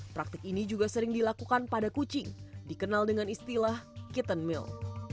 praktik ini juga sering dilakukan pada kucing dikenal dengan istilah kitten mill